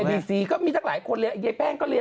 มึงก็มีทั้งหลายคนเรียนอย่างเยลแล้ว